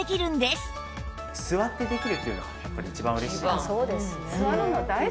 座ってできるっていうのはやっぱり一番嬉しいですよね。